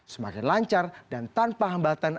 semakin lancar dan tanpa hambatan